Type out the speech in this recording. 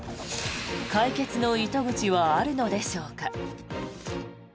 解決の糸口はあるのでしょうか。